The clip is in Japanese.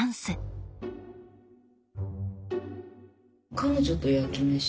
彼女と焼き飯？